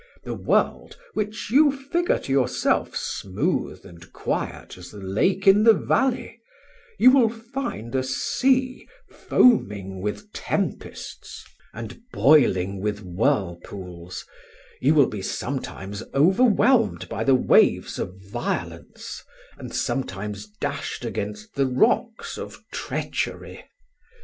The world, which you figure to yourself smooth and quiet as the lake in the valley, you will find a sea foaming with tempests and boiling with whirlpools; you will be sometimes overwhelmed by the waves of violence, and sometimes dashed against the rocks of treachery.